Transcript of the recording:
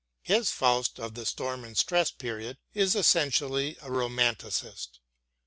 His Faust of the Storm and Stress period is essentially a Romanticist.